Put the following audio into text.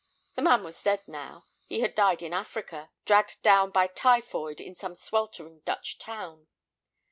The man was dead now; he had died in Africa, dragged down by typhoid in some sweltering Dutch town.